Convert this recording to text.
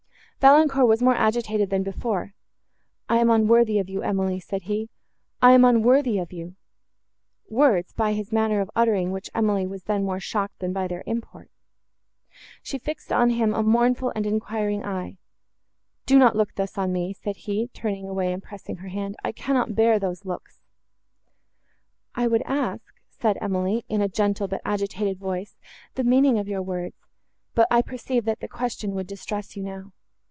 Valancourt was more agitated than before. "I am unworthy of you, Emily," said he, "I am unworthy of you;"—words, by his manner of uttering which Emily was then more shocked than by their import. She fixed on him a mournful and enquiring eye. "Do not look thus on me," said he, turning away and pressing her hand; "I cannot bear those looks." "I would ask," said Emily, in a gentle, but agitated voice, "the meaning of your words; but I perceive, that the question would distress you now.